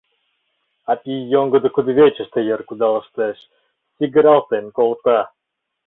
А пий йоҥгыдо кудывечыште йыр кудалыштеш, сигыралтен колта.